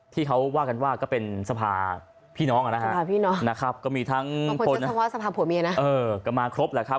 ที่เขาว่ากันว่าก็เป็นสภาพี่น้องอ่ะนะครับ